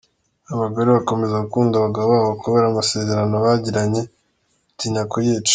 Abagore bakomeza gukunda abagabo babo kubera amasezerano bagiranye batinya kuyica.